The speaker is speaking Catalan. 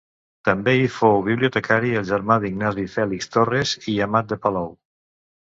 També hi fou bibliotecari el germà d'Ignasi, Fèlix Torres i Amat de Palou.